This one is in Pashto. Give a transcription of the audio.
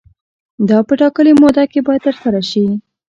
دا په ټاکلې موده کې باید ترسره شي.